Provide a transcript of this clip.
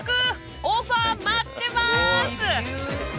オファー待ってます！